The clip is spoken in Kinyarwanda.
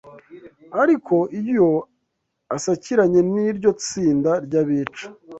Ariko iyo asakiranye n’iryo tsinda ry’abica